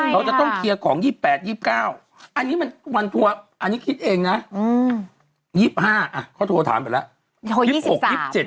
เขาจะต้องเคลียร์ของ๒๘๒๙อันนี้มันทัวร์อันนี้คิดเองนะ๒๕เขาโทรถามไปแล้ว